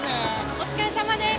お疲れさまです。